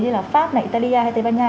như là pháp italia hay tây ban nha